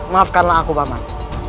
maafkanlah aku pak man